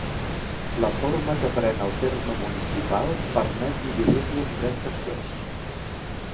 La forma que pren el terme municipal permet dividir-lo en tres sectors.